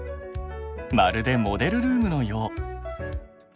まるでモデルルームのよう！